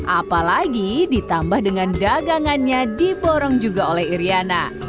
apalagi ditambah dengan dagangannya diborong juga oleh iryana